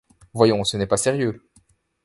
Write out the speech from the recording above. Voyons, ce n’est pas sérieux...